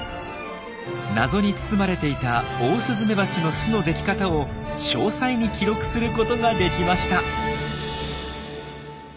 謎に包まれていたオオスズメバチの巣の出来方を詳細に記録することができました。